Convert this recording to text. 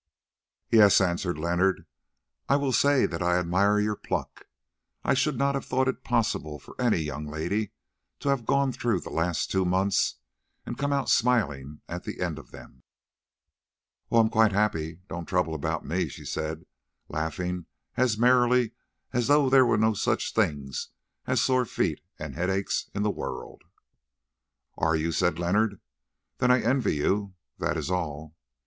"Yes," answered Leonard, "I will say that I admire your pluck. I should not have thought it possible for any young lady to have gone through the last two months, and 'come out smiling' at the end of them." "Oh, I am quite happy. Don't trouble about me," she said, laughing as merrily as though there were no such things as sore feet and headaches in the world. "Are you?" said Leonard, "then I envy you, that is all.